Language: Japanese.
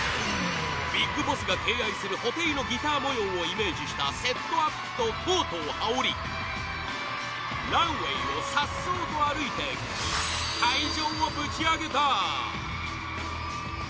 ＢＩＧＢＯＳＳが敬愛する布袋のギター模様をイメージしたセットアップとコートを羽織りランウェーを颯爽と歩いて会場をぶちアゲた！